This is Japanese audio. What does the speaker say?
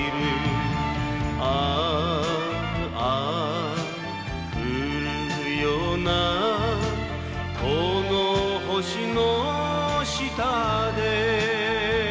「ああ降るようなこの星の下で」